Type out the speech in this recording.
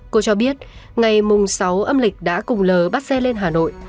cô cho biết ngày mùng sáu âm lịch đã cùng l bắt xe lên hà nội